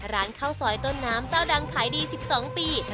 ร้านข้าวซอยต้นน้ำเจ้าดังขายดี๑๒ปี